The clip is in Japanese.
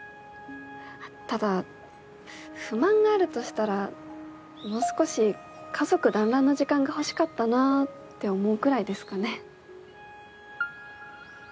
ただ不満があるとしたらもう少し家族だんらんの時間が欲しかったなぁって思うくらいですかね。